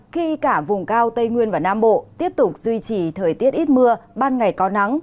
khi cả vùng cao tây nguyên và nam bộ tiếp tục duy trì thời tiết ít mưa ban ngày có nắng